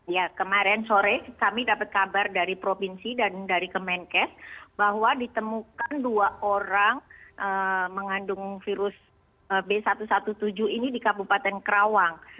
ya kemarin sore kami dapat kabar dari provinsi dan dari kemenkes bahwa ditemukan dua orang mengandung virus b satu satu tujuh ini di kabupaten kerawang